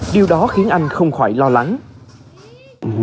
điều đó khiến anh không khỏi lo lắng